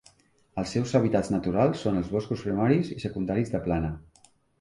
Els seus hàbitats naturals són els boscos primaris i secundaris de plana.